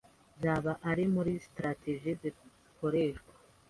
zaba ari muri strategies zikoreshwa,